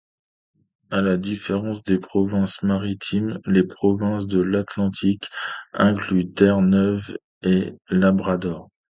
À la différence des provinces maritimes, les provinces de l'Atlantique incluent Terre-Neuve-et-Labrador.